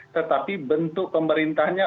tetapi bentuk pemerintahnya